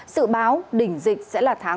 sự báo đỉnh dịch sẽ là tháng